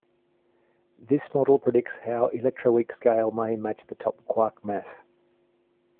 This model predicts how the electroweak scale may match the top quark mass.